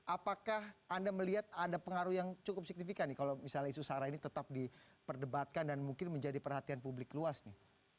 apakah anda melihat ada pengaruh yang cukup signifikan nih kalau misalnya isu sara ini tetap diperdebatkan dan mungkin menjadi perhatian publik luas nih